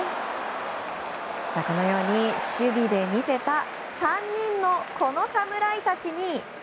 このように、守備で見せた３人のこの侍たちに。